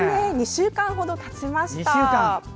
２週間ほどたちました。